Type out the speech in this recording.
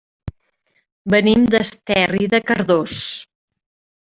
Venim d'Esterri de Cardós.